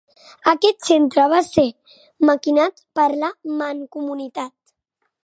Aquest centre va ser maquinat per la Mancomunitat.